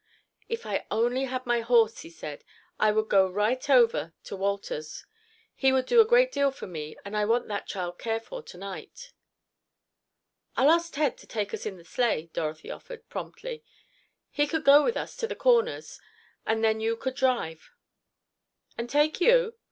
"If I only had my horse," he said, "I would go right over to Wolters's. He would do a great deal for me, and I want that child cared for to night." "I'll ask Ted to let us take his sleigh," Dorothy offered, promptly. "He could go with us to the Corners, and then you could drive." "And take you?"